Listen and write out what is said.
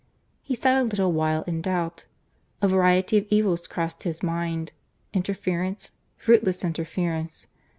He sat a little while in doubt. A variety of evils crossed his mind. Interference—fruitless interference.